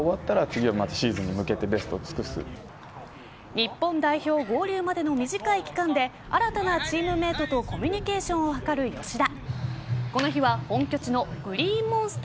日本代表合流までの短い期間で新たなチームメートとコミュニケーションを図る吉田。